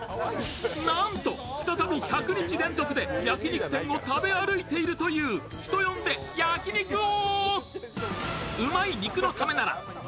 なんと再び１００日連続で焼肉店を食べ歩いているという、人呼んで焼肉王。